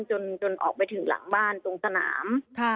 จนออกไปถึงหลังบ้านตรงสนาม